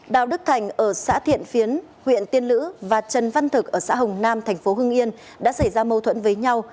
đào đức thành ở xã thiện phiến huyện tiên lữ và trần văn thực ở xã hồng nam thành phố hưng yên đã xảy ra mâu thuẫn với nhau